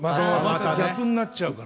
逆になっちゃうから。